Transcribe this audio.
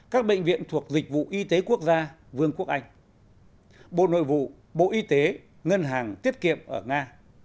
các bệnh viện thuộc dịch vụ y tế quốc gia vương quốc anh bộ nội vụ bộ y tế ngân hàng tiết kiệm ở nga